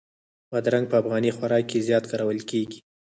بادرنګ په افغاني خوراک کې زیات کارول کېږي.